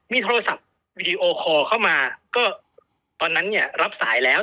มีโทรศัพท์วีดีโอคอลเข้ามาก็ตอนนั้นเนี่ยรับสายแล้ว